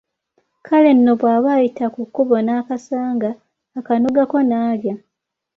Kale nno bw’aba ayita ku kkubo n’akasanga, akanogako n’alya.